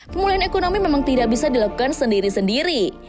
pemulihan ekonomi memang tidak bisa dilakukan sendiri sendiri